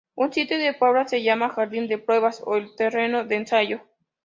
Un sitio de prueba se llama "jardín de pruebas" o el "terreno de ensayo".